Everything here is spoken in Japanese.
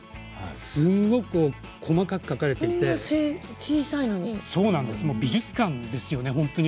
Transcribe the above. すごく細かく描かれていて美術館ですよね。